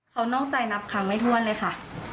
เขานอกใจนับครั้งไม่ถ้วนเลยค่ะ